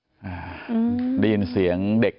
ลูกชายวัย๑๘ขวบบวชหน้าไฟให้กับพุ่งชนจนเสียชีวิตแล้วนะครับ